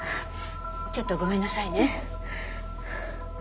ちょっとごめんなさいね。